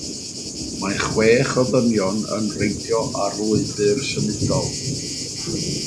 Mae chwech o ddynion yn reidio ar lwybr symudol.